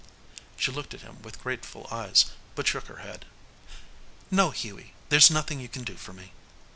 She looked at him with grateful eyes, but shook her head. "No, Hughie, there's nothing you can do for me."